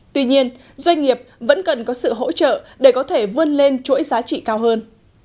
tuy nhiên doanh nghiệp vẫn cần có sự hỗ trợ để có thể vươn lên chuỗi giá trị cao hơn